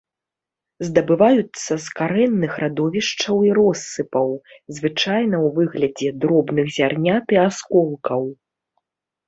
Здабываюцца з карэнных радовішчаў і россыпаў, звычайна ў выглядзе дробных зярнят і асколкаў.